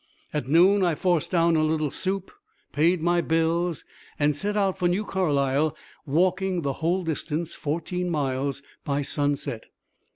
At noon I forced down a little soup, paid my bills, and set out for New Carlisle, walking the whole distance, fourteen miles, by sunset.